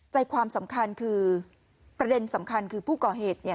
ใจความสำคัญคือประเด็นสำคัญคือผู้ก่อเหตุเนี่ย